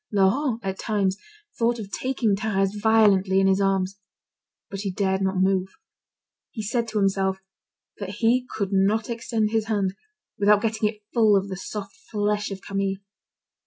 Laurent, at times, thought of taking Thérèse violently in his arms; but he dared not move. He said to himself that he could not extend his hand, without getting it full of the soft flesh of Camille.